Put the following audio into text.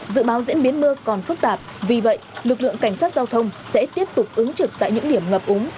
dự báo diễn biến mưa còn phức tạp vì vậy lực lượng cảnh sát giao thông sẽ tiếp tục ứng trực tại những điểm ngập úng